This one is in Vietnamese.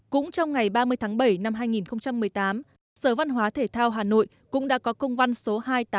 cũng trong ngày ba mươi tháng bảy năm hai nghìn một mươi tám sở văn hóa thể thao hà nội cũng đã có công văn số hai nghìn tám trăm tám